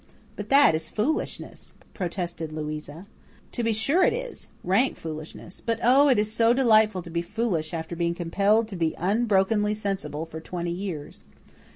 "But that is foolishness," protested Louisa. "To be sure it is rank foolishness. But oh, it is so delightful to be foolish after being compelled to be unbrokenly sensible for twenty years.